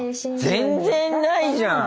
全然ないじゃん！